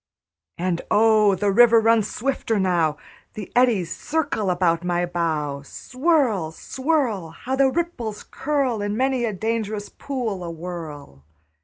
And oh, the river runs swifter now; The eddies circle about my bow. Swirl, swirl! How the ripples curl In many a dangerous pool awhirl!